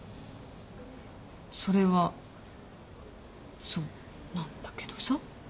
それはそうなんだけどさ。